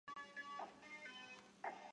曼绒县的学校主要由曼绒县教育局管辖。